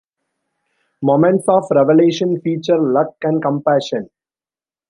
Moments of revelation feature luck and compassion.